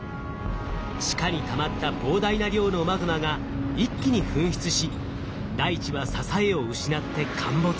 地下にたまった膨大な量のマグマが一気に噴出し大地は支えを失って陥没。